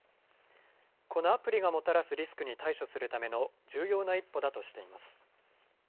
このアプリがもたらすリスクに対処するための重要な一歩だとしています。